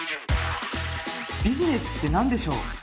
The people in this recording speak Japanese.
ビジネスって何でしょう？